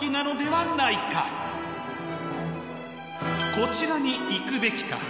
こちらに行くべきか？